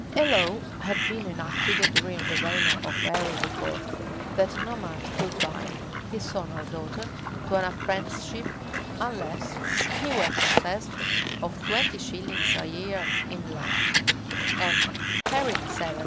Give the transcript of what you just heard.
A law had been enacted during the reign of Henry IV.,[] that no man could bind his son or daughter to an apprenticeship, unless he were possessed of twenty shillings a year in land; and Henry VII.